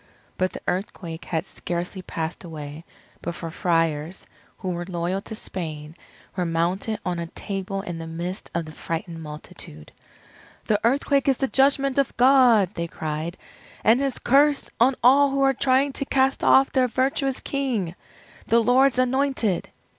But the earthquake had scarcely passed away, before Friars, who were loyal to Spain, were mounted on a table in the midst of the frightened multitude. "The earthquake is the judgment of God," they cried, "and his curse on all who are trying to cast off their virtuous King, the Lord's Anointed!"